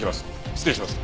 失礼します。